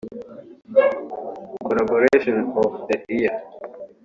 Collaboration of the year